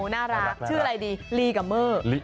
น่ารักชื่ออะไรดีลีกัมเมอร์